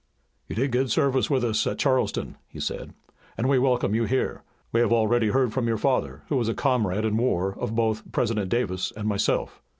"You did good service with us at Charleston," he said, "and we welcome you here. We have already heard from your father, who was a comrade in war of both President Davis and myself."